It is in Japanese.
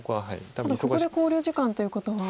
ただここで考慮時間ということは。